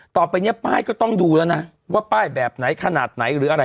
ต่อไปเนี่ยป้ายก็ต้องดูแล้วนะว่าป้ายแบบไหนขนาดไหนหรืออะไร